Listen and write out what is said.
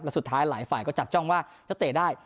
และสุดท้ายหลายฝ่ายก็จับจ้องว่าถ้าเตะได้